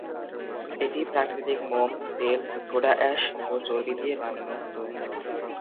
এটি প্রাকৃতিক মোম, তেল, সোডা অ্যাশ ও চর্বি দিয়ে বানানো হতো।